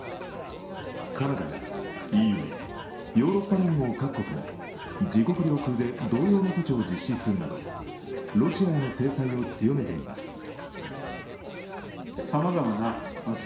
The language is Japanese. カナダやＥＵ＝ヨーロッパ連合各国も自国領空で同様の措置を実施するなどロシアへの制裁を強めています。